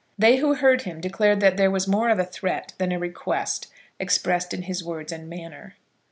They who heard him declared that there was more of a threat than a request expressed in his words and manner.